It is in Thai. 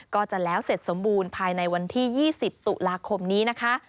ก็จะแล้วเสร็จสมบูรณ์ภายในวันที่๒๐ตุลาคมนี้นะคะ